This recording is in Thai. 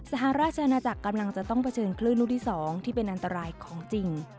สหราชอาณาจักรกำลังจะต้องเผชิญคลื่นลูกที่๒ที่เป็นอันตรายของจริง